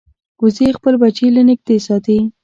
وزې خپل بچي له نږدې ساتي